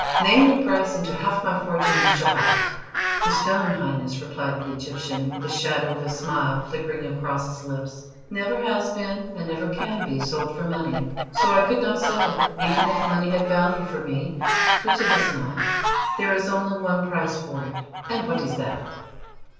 Name your price, and, to half my fortune, you shall have it." "The stone, Highness," replied the Egyptian, with the shadow of a smile flickering across his lips, "never has been, and never can be, sold for money, so I could not sell it, even if money had value for me, which it has not. There is only one price for it." "And what is that?"